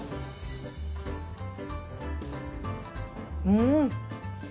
うん！